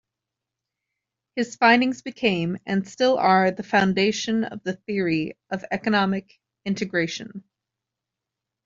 His findings became and still are the foundation of the theory of economic integration.